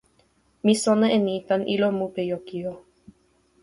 mi sona e ni tan ilo Mupejokijo.